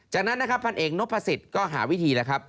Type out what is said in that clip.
จากนั้นนะครับพันเอกนพสิทธิ์ก็หาวิธีแล้วครับ